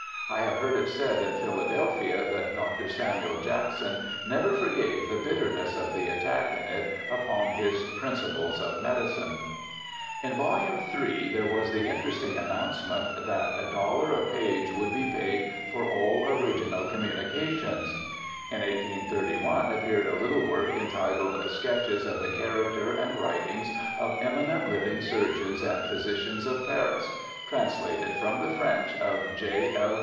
I have heard it said in Philadelphia that Dr. Samuel Jackson never forgave the bitterness of the attack in it upon his Principles of Medicine. In volume iii there was the interesting announcement that a dollar a page would be paid for all original com munications. In 183 1 appeared a little work entitled Sketches of the Character and Writings of Eminent Living Surgeons and Physicians of Paris, translated from the French of J. L.